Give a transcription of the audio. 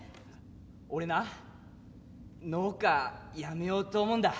俺な農家辞めようと思うんだ。